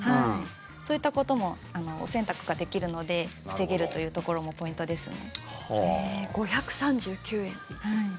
そういったこともお洗濯ができるので防げるところもポイントですね。